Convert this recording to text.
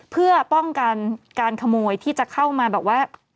เพื่อป้องกันการขโมยที่จะเข้ามาแบบว่า